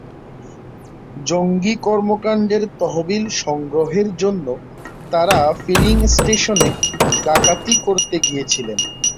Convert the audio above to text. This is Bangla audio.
জঙ্গি কর্মকাণ্ডের তহবিল সংগ্রহের জন্য তাঁরা ফিলিং স্টেশনে ডাকাতি করতে গিয়েছিলেন।